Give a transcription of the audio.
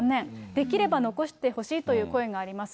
できれば残してほしいという声があります。